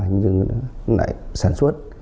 nhưng lại sản xuất